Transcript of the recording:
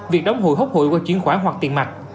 việc đóng hội hút hội qua chuyến khóa hoặc tiền mặt